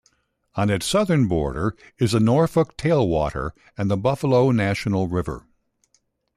On its southern border is the Norfork Tailwater and the Buffalo National River.